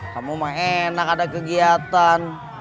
kamu mah enak ada kegiatan